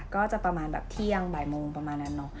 ก็จะประมาณแบบเที่ยงบ่ายโมงประมาณนั้นเนอะ